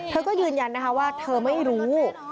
เธอก็ยืนยันนะคะว่าเธอไม่รู้